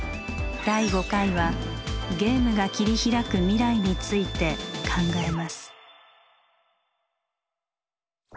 第５回はゲームが切り開く未来について考えます。